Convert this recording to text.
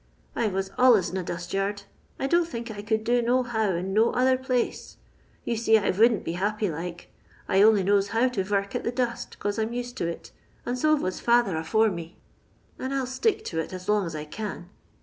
I vos alius in a dust yard. I don't think I could do no how in no other place. Ton see I vouldn't be 'appy like; I only knows how to vork at the dust 'cause I'm used to it, and so vos father afore me, and 1 11 stick to it as long as I can.